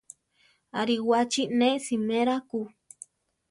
Aríwachi ne simera ku.